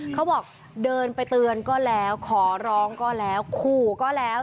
เขาบอกเดินไปเตือนก็แล้วขอร้องก็แล้วขู่ก็แล้ว